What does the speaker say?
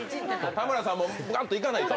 田村さんもガンといかないと。